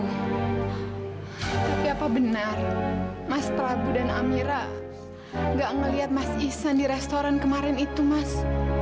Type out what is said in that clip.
tapi apa benar mas prabu dan amira gak ngeliat mas ihsan di restoran kemarin itu mas